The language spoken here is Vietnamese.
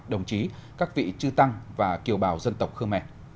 đồng chí các vị trư tăng và kiều bào dân tộc khơ me